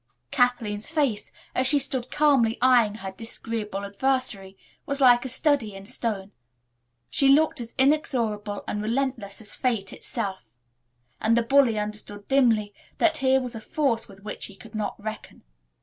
Kathleen's face, as she stood calmly eyeing her disagreeable adversary, was like a study in stone. She looked as inexorable and relentless as Fate itself, and the bully understood dimly that here was a force with which he could not reckon.